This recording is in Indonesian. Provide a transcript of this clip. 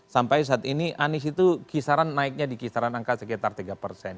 sampai saat ini anies itu kisaran naiknya di kisaran angka sekitar tiga persen